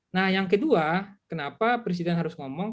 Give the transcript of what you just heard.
nah yang kedua kenapa presiden harus ngomong